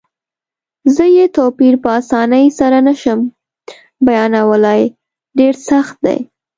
زه یې توپیر په اسانۍ سره نه شم بیانولای، ډېر سخت دی.